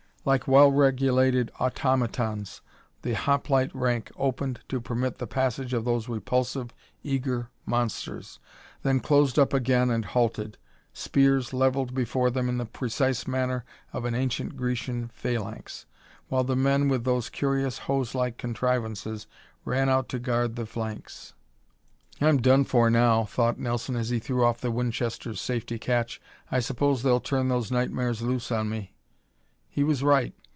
Like well regulated automatons the hoplite rank opened to permit the passage of those repulsive, eager monsters, then closed up again and halted, spears levelled before them in the precise manner of an ancient Grecian phalanx, while the men with those curious hose like contrivances ran out to guard the flanks. "I'm done for now," thought Nelson as he threw off the Winchester's safety catch. "I suppose they'll turn those nightmares loose on me." He was right.